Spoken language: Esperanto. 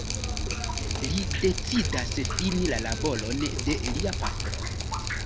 Li decidas fini la laboron de lia patro.